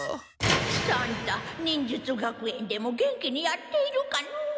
喜三太忍術学園でも元気にやっているかのう。